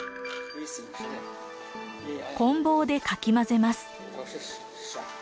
こん棒でかき混ぜます。